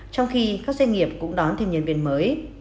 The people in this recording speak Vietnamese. trong khi các doanh nghiệp cũng đón thêm nhân viên mới